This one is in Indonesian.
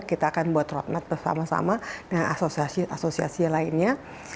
kita akan buat roadmap bersama sama dengan asosiasi asosiasi lainnya